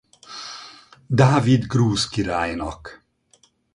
Dávid grúz királynak.